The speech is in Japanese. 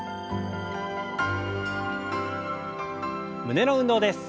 胸の運動です。